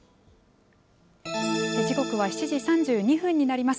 時刻は７時３２分になります。